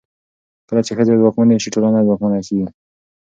کله چې ښځې ځواکمنې شي، ټولنه ځواکمنه کېږي.